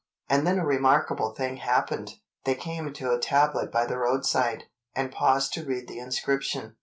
And then a remarkable thing happened: they came to a tablet by the roadside, and paused to read the inscription.